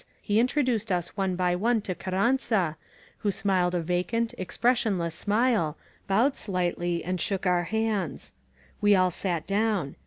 He introduced us one hj one to Carranza, who smiled a vacant, expression less smile, bowed sli^tly, and shook our hands. We all sat down.